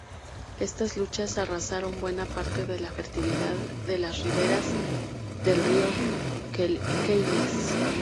Estas luchas arrasaron buena parte de la fertilidad de las riberas del río Queiles.